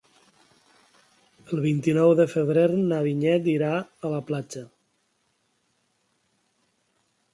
El vint-i-nou de febrer na Vinyet irà a la platja.